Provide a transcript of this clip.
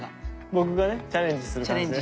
僕がねチャレンジする感じで。